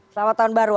selamat tahun baru